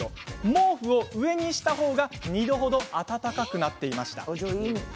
毛布を上にした方が２度程、温かくなっていました。